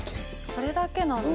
これだけなんだ。